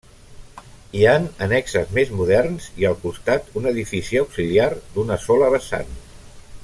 Hi han annexes més moderns i al costat un edifici auxiliar d'una sola vessant.